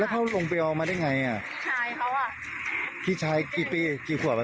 เขาลงไปเอามาได้ไงอ่ะพี่ชายเขาอ่ะพี่ชายกี่ปีกี่ขวบแล้ว